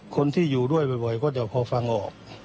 คนที่อยู่ด้วยบ่อยก็จะพอฟังออก